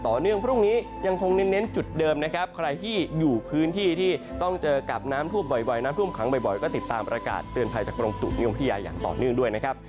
ที่อยู่พื้นที่ที่ต้องเจอกับน้ำทูบบ่อยน้ำทูบค้างบ่อยก็ติดตามระกาศเตือนภัยจากกรงตุนิยมพิทยาอย่างต่อเนื่องด้วยนะครับ